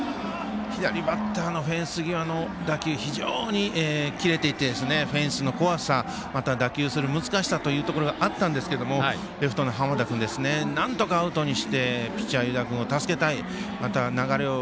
左バッターのフェンス際の打球、非常に切れていって、フェンスの怖さまた、捕球する難しさというのがあったんですけどもレフトの濱田君なんとかアウトにしてピッチャー、湯田君を助けたい。